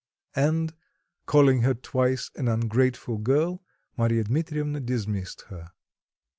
And, calling her twice an ungrateful girl, Marya Dmitrievna dismissed her.